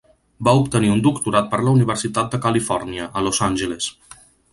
Va obtenir un doctorat per la Universitat de Califòrnia, a Los Angeles.